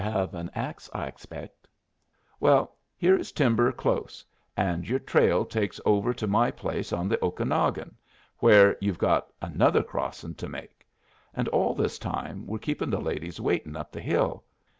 You hev an axe, I expect? Well, here is timber close, and your trail takes over to my place on the Okanagon, where you've got another crossin' to make. And all this time we're keeping the ladies waitin' up the hill!